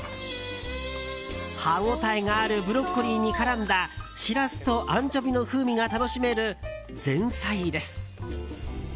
歯応えがあるブロッコリーに絡んだシラスとアンチョビの風味が楽しめる前菜です。